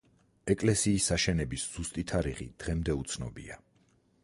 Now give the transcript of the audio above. ეკლესიის აშენების ზუსტი თარიღი დღემდე უცნობია.